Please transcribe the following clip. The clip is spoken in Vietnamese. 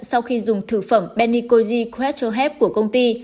sau khi dùng thực phẩm benikoji crater health của công ty